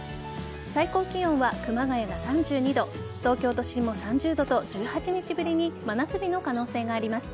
最高気温は熊谷が３２度東京都心も３０度と１８日ぶりに真夏日の可能性があります。